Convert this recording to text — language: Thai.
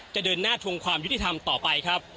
เดินหน้าทวงความยุติธรรมต่อไปครับ